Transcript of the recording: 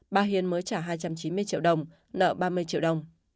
bà hiền mới trả hai trăm chín mươi triệu đồng nợ ba mươi triệu đồng